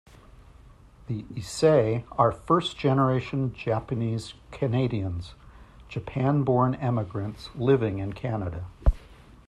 The "Issei" are first-generation Japanese-Canadians, Japan-born emigrants living in Canada.